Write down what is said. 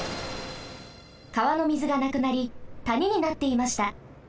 かわのみずがなくなりたにになっていました。